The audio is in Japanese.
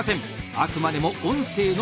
あくまでも音声のみ。